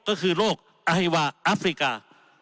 ก็คือโรคอฮิวาอัฟริกา